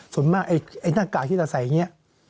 ส่วนมากไอ้หน้ากากที่เราใส่อย่างนี้